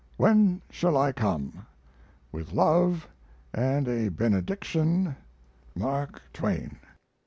When shall I come? With love and a benediction; MARK TWAIN.